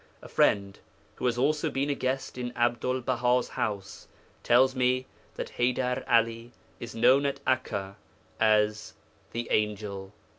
A friend, who has also been a guest in Abdul Baha's house, tells me that Haydar 'Ali is known at Akka as 'the Angel.'